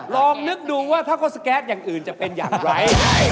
ลองนึกดูว่าถ้าเขาสแก๊สอย่างอื่นจะเป็นอย่างไร